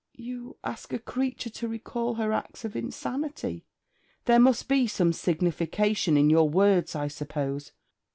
'You ask a creature to recall her acts of insanity.' 'There must be some signification in your words, I suppose.'